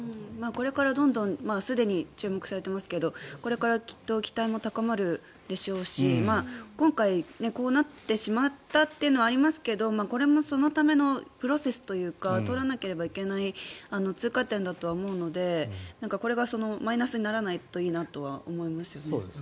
これからどんどんすでに注目されていますけどこれからきっと期待も高まるでしょうし今回、こうなってしまったというのはありますがこれもそのためのプロセスというか通らなければいけない通過点だと思うのでこれがマイナスにならないといいなとは思いますね。